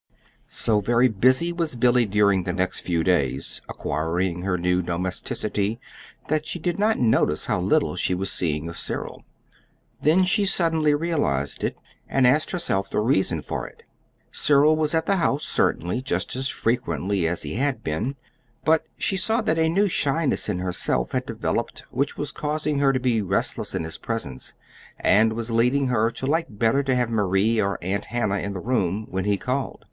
So very busy was Billy during the next few days, acquiring her new domesticity, that she did not notice how little she was seeing of Cyril. Then she suddenly realized it, and asked herself the reason for it. Cyril was at the house certainly, just as frequently as he had been; but she saw that a new shyness in herself had developed which was causing her to be restless in his presence, and was leading her to like better to have Marie or Aunt Hannah in the room when he called.